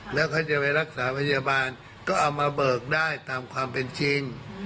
แล้วเขาจะไปรักษาพยาบาลก็เอามาเบิกได้ตามความเป็นจริง